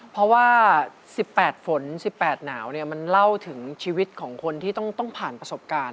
เพราะว่า๑๘ฝน๑๘หนาวมันเล่าถึงชีวิตของคนที่ต้องผ่านประสบการณ์